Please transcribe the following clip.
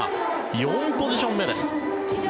４ポジション目です。